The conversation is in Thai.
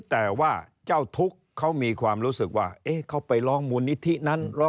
เว้นแต่ว่าเจ้าทุกข์เขามีความรู้สึกว่าเขาก็ไปลองมูลนี้ที่นั้น